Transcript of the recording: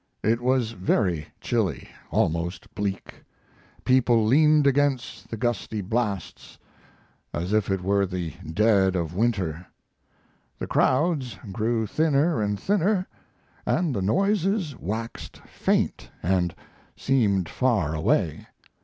It was very chilly, almost bleak. People leaned against the gusty blasts as if it were the dead of winter. The crowds grew thinner and thinner, and the noises waxed faint and seemed far away.